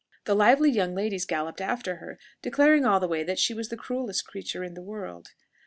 The lively young ladies galloped after her, declaring all the way that she was the cruellest creature in the world.